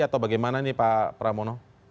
atau bagaimana ini pak pramono